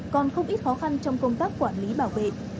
còn không ít khó khăn trong công tác quản lý bảo vệ